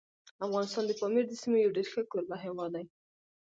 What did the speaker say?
افغانستان د پامیر د سیمو یو ډېر ښه کوربه هیواد دی.